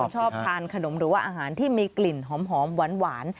ชอบทานขนมหรือว่าอาหารที่มีกลิ่นหอมหวาน